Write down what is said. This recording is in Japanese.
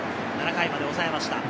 ７回まで抑えました。